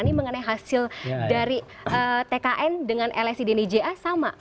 ini mengenai hasil dari tkn dengan lsi dnija sama